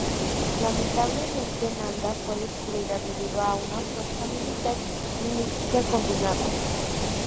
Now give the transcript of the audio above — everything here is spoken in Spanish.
Lamentablemente, Nanda fue destruida debido a una fuerza militar y mística combinada.